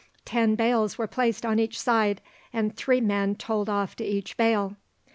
Ten bales were placed on each side, and three men told off to each bale.